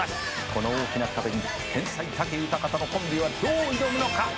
「この大きな壁に天才武豊とのコンビはどう挑むのか」